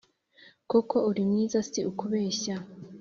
koko uri mwiza si ukubeshya